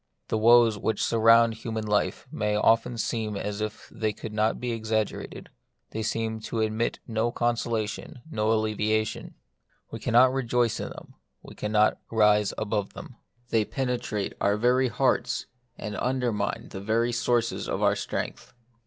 The woes which sur round human life often seem as if they could not be exaggerated ; they seem to admit of no consolation, no alleviation. We cannot rejoice in them ; we cannot rise above them. They penetrate our very hearts, and under mine the very sources of our strength.